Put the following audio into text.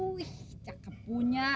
wih cakep punya